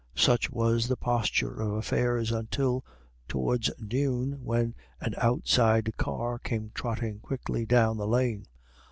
Such was the posture of affairs until towards noon, when an outside car came trotting quickly down the lane.